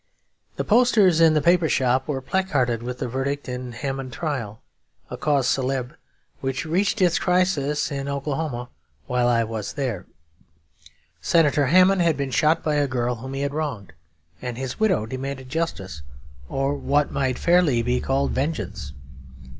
The posters in the paper shop were placarded with the verdict in the Hamon trial; a cause célèbre which reached its crisis in Oklahoma while I was there. Senator Hamon had been shot by a girl whom he had wronged, and his widow demanded justice, or what might fairly be called vengeance.